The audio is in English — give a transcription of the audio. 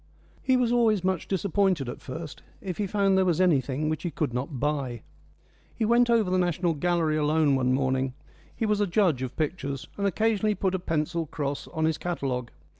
He was always much disappointed at first if he found there was anything which he could not buy. He went over the National Gallery alone one morning; he was a judge of pictures, and occasionally he put a pencil cross on his catalogue.